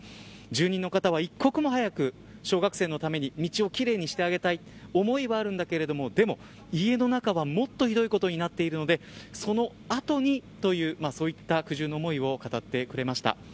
住人の方は、一刻も早く小学生のために道を奇麗にしてあげたい思いはあるんだけどでも、家の中はもっとひどいことになっているのでその後にというそういった苦渋の思いを語ってくれました。